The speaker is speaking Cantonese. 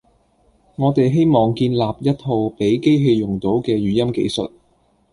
我哋希望建立一套畀機器用到嘅語音技術